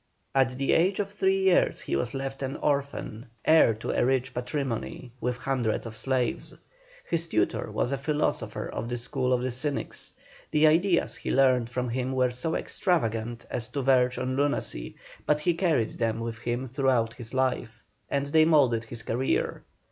At the age of three years he was left an orphan, heir to a rich patrimony, with hundreds of slaves. His tutor was a philosopher of the school of the Cynics; the ideas he learned from him were so extravagant as to verge on lunacy, but he carried them with him throughout his life, and they moulded his career.